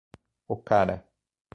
Ocara